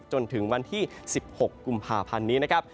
จนถึงวันที่๑๖กุมภาพันธ์นี้นะครับ